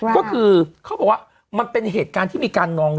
ก็คือเขาบอกว่ามันเป็นเหตุการณ์ที่มีการนอง